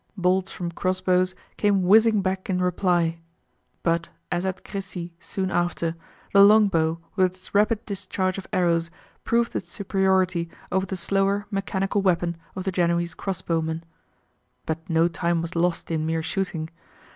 Bolts from cross bows came whizzing back in reply. But, as at Crecy soon after, the long bow with its rapid discharge of arrows proved its superiority over the slower mechanical weapon of the Genoese cross bowmen. But no time was lost in mere shooting.